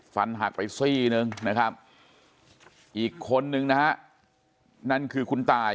ฟันหักไปซี่หนึ่งนะครับอีกคนนึงนะฮะนั่นคือคุณตาย